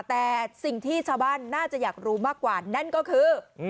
แต่สิ่งที่ชาวบ้านน่าจะอยากรู้มากกว่านั่นก็คือ